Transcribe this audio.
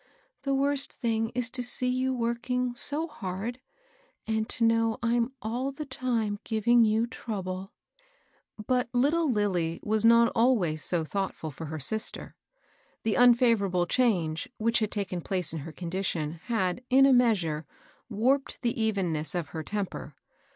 The worst thing is to see you working so hard, and to know I'm all the time giving you trouble." But httle Lillie was not always so thoughtftd for her sister. The unfavorable change, which had taken place in her condition had, in a measure, warped the evenness of her temper.